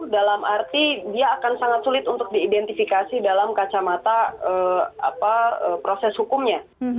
dalam arti dia akan sangat sulit untuk diidentifikasi dalam kacamata proses hukumnya